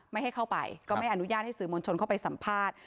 ไม่ให้เข้าไปก็ไม่อนุญาตให้สื่อมวลชนเข้าไปสัมภาษณ์